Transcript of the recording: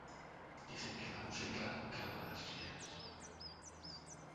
Dicen que la música calma a las fieras.